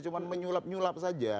cuma menyulap nyulap saja